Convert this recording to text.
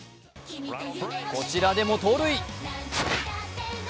こちらでも盗塁。